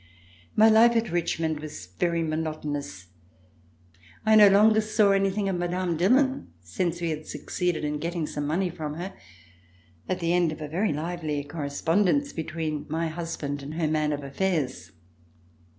My life at Richmond was very monotonous. I no longer saw anything of Mme. Dillon, since we had succeeded in getting some money from her at the end of a very lively correspondence between my husband and her man of affairs.